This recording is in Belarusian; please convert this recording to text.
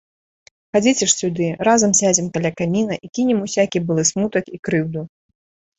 Хадзіце ж сюды, разам сядзем каля каміна і кінем усякі былы смутак і крыўду.